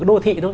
đô thị thôi